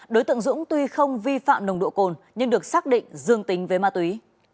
đối tượng dũng tuy không vi phạm nồng độ cồn nhưng được xác định dương tính với ma túy